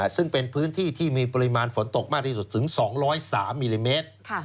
ซึ่งเป็นพื้นที่ที่มีปริมาณฝนตกมากที่สุดถึง๒๐๓มิลลิเมตร